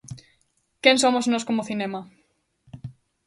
Quen somos nós como cinema?